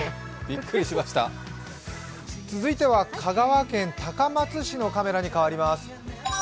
続いては香川県高松市のカメラに移ります。